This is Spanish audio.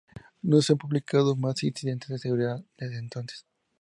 No se han publicado más incidentes de seguridad desde entonces.